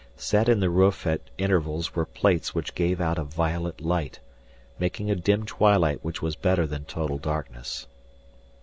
Set in the roof at intervals were plates which gave out a violet light, making a dim twilight which was better than total darkness.